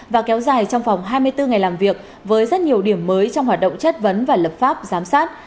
và kéo dài trong vòng hai mươi bốn ngày làm việc với rất nhiều điểm mới trong hoạt động chất vấn và lập pháp giám sát